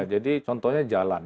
jadi contohnya jalan